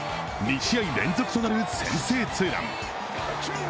２試合連続となる先制ツーラン。